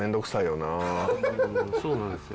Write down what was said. うーんそうなんですよ。